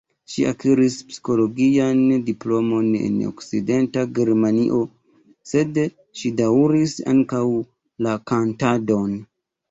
Ŝi akiris psikologian diplomon en Okcidenta Germanio, sed ŝi daŭris ankaŭ la kantadon.